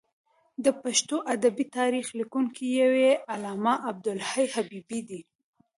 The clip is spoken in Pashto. د پښتو ادبي تاریخ لیکونکی یو یې علامه عبدالحی حبیبي دی.